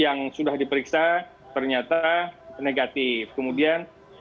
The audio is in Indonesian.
yang sudah diperiksa ternyata negatif jadi masyarakat menemukan